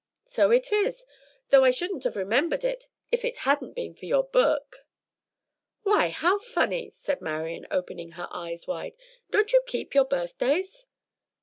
"So it is, though I shouldn't have remembered it if it hadn't been for your book." "Why, how funny!" cried Marian, opening her eyes wide. "Don't you keep your birthdays?"